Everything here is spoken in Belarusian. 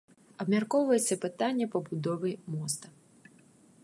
Абмяркоўваецца пытанне пабудовы моста.